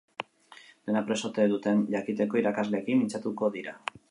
Dena prest ote duten jakiteko irakasleekin mintzatuko dira.